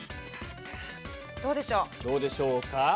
どうでしょうか？